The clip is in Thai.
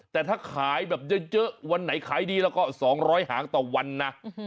แต่ถ้าขายแบบเยอะวันไหนขายดีแล้วก็๒๐๐หางต่อวันนะ